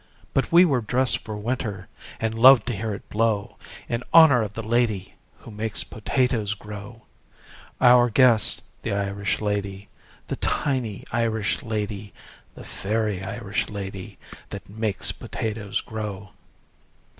But we were dressed for winter, And loved to hear it blow In honor of the lady Who makes potatoes grow Our guest, the Irish lady, The tiny Irish lady, The fairy Irish lady That makes potatoes grow.